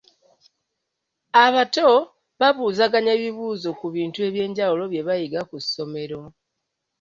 Abato babuuzaganya ebibuuzo ku bintu eby'enjawulo bye bayiga ku ssomero.